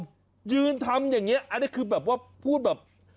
ยืนทำอย่างนี้อันนี้คือแบบว่าพูดแบบ